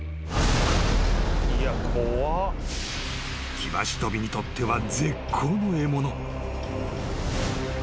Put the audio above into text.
［キバシトビにとっては絶好の獲物］